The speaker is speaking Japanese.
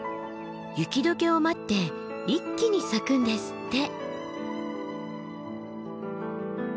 雪解けを待って一気に咲くんですって。